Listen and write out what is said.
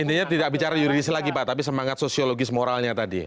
intinya tidak bicara yuridis lagi pak tapi semangat sosiologis moralnya tadi